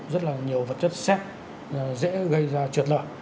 rất là nhiều vật chất xét dễ gây ra triệt lở